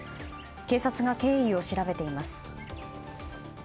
警察が経緯を調べています。